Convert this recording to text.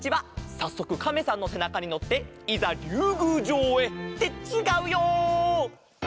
さっそくカメさんのせなかにのっていざりゅうぐうじょうへ。ってちがうよ！